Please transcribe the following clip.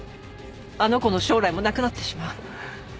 あの子の将来もなくなってしまう。